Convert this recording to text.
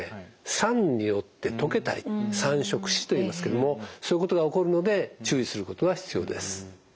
酸によって溶けたり酸蝕歯といいますけどもそういうことが起こるので注意することが必要です。